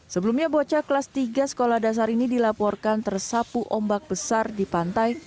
sebelumnya bocah kelas tiga sekolah dasar ini dilaporkan tersapu ombak besar di pantai